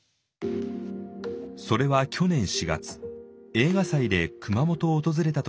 それは去年４月映画祭で熊本を訪れた時のことでした。